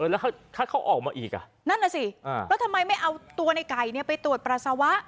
แล้วถ้าเขาออกมาอีกอ่ะนั่นน่ะสิแล้วทำไมไม่เอาตัวในไก่ไปตรวจปัสสาวะ